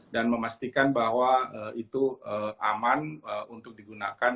dan memastikan bahwa itu aman untuk digunakan